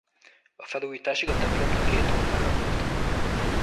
A felújításig a templomnak két oltára volt.